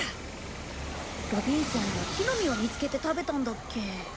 ロビンソンは木の実を見つけて食べたんだっけ。